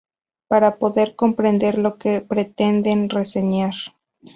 para poder comprender lo que pretenden reseñar